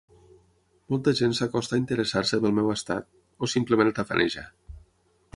Molta gent s'acosta a interessar-se pel meu estat, o simplement a tafanejar.